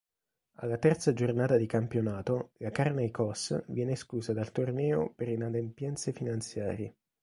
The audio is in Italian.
Alla terza giornata di campionato l'Acharnaïkos viene esclusa dal torneo per inadempienze finanziarie.